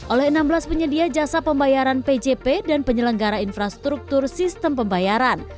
oleh enam belas penyedia jasa pembayaran pjp dan penyelenggara infrastruktur sistem pembayaran